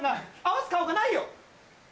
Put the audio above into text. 合わす顔がないよ！